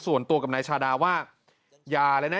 ส่วนตัวกับนายชาดาว่าอย่าเลยนะ